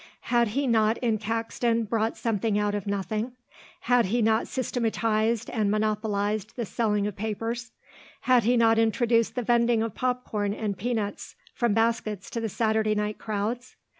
Had he not in Caxton brought something out of nothing, had he not systematised and monopolised the selling of papers, had he not introduced the vending of popcorn and peanuts from baskets to the Saturday night crowds?